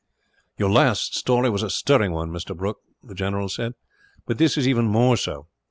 "Your last story was a stirring one, Mr. Brooke," the general said; "but this is even more so.